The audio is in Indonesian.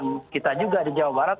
menjadi andalan kita juga di jawa barat